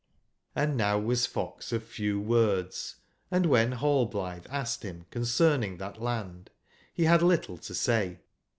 Hnd now was fox of few words, & wben Rallblitbe ashed bim concerning tbat land, be bad little to say.